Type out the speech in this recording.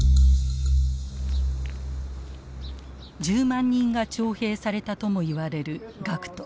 １０万人が徴兵されたともいわれる学徒。